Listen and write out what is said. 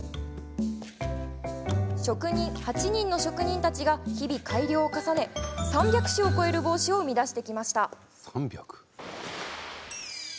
８人の職人たちが日々改良を重ね３００種を超える帽子を生み出してきました。